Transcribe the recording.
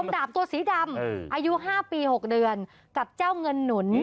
ดาบตัวสีดำอายุ๕ปี๖เดือนกับเจ้าเงินหนุน